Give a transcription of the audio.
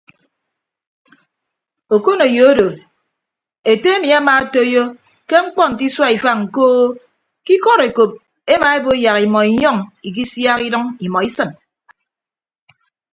Okoneyo odo ete emi amaatoiyo ke mkpọ nte isua ifañ koo ke ikọd ekop emaebo yak imọ inyọñ ikisiak idʌñ imọ isịn.